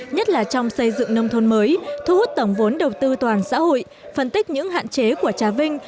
nhất là trong xây dựng nông thôn mới thu hút tổng vốn đầu tư toàn xã hội phân tích những hạn chế của trà vinh